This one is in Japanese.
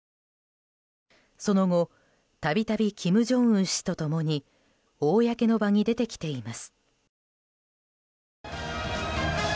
その後、度々金正恩氏と共に公の場に出てきています。